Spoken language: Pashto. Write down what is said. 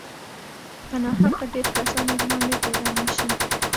په ناحقه ډېر کسان ورباندې تورن نه شي